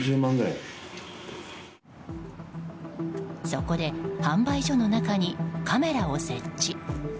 そこで、販売所の中にカメラを設置。